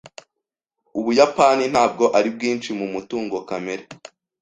Ubuyapani ntabwo ari bwinshi mu mutungo kamere.